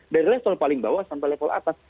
dari level paling bawah sampai level atas